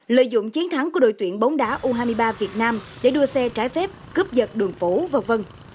lợi dụng chiến thắng của đội tuyển bóng đá u hai mươi ba việt nam để đua xe trái phép cướp giật đường phố v v